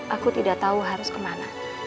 aku tidak tahu harus kemana